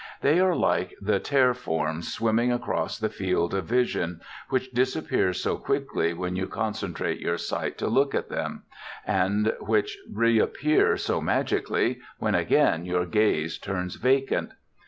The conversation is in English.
They are like the tear forms swimming across the field of vision, which disappear so quickly when you concentrate your sight to look at them, and which reappear so magically when again your gaze turns vacant.